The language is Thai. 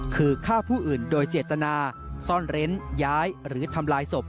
คือฆ่าผู้อื่นโดยเจตนาซ่อนเร้นย้ายหรือทำลายศพ